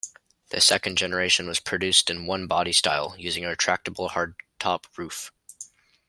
The second generation was produced in one body style, using a retractable hardtop roof.